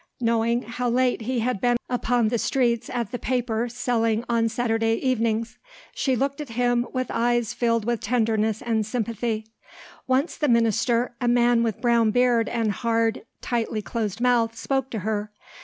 Knowing how late he had been upon the streets at the paper selling on Saturday evenings, she looked at him with eyes filled with tenderness and sympathy. Once the minister, a man with brown beard and hard, tightly closed mouth, spoke to her.